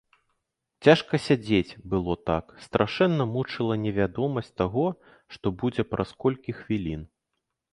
Цяжка сядзець было так, страшэнна мучыла невядомасць таго, што будзе праз колькі хвілін.